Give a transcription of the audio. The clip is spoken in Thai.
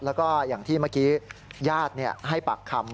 แล้วก็อย่างที่เมื่อกี้ญาติให้ปากคำ